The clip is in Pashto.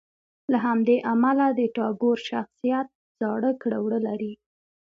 له همدې امله د ټاګور شخصیت زاړه کړه وړه لري.